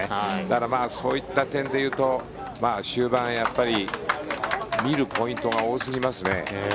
だから、そういった点で言うと終盤、やっぱり見るポイントが多すぎますね。